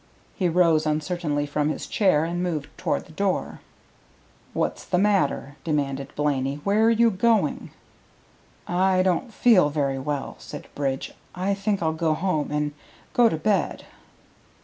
He rose uncertainly from his chair and moved toward the door. "What's the matter?" demanded Blaney. "Where are you going?" "I don't feel very well," said Bridge. "I think I'll go home and go to bed."